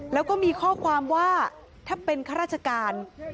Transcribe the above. แล้วก็มีข้อความว่าถ้าเป็นข้าราชการ